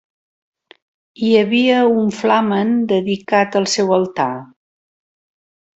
Hi havia un flamen dedicat al seu altar.